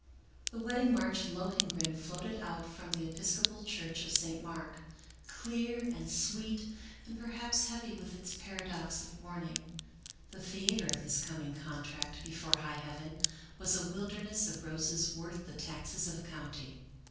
V The wedding march of Lohengrin floated out from the Episcopal Church of St. Mark, clear and sweet, and perhaps heavy with its paradox of warning. The theater of this coming contract before high heaven was a wilderness of roses worth the taxes of a county.